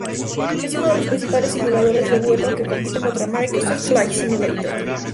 Es uno de los principales simuladores de vuelo que compiten contra Microsoft Flight Simulator.